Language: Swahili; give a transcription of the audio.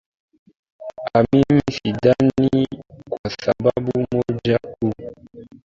aa mimi sidhani kwasababu moja kuu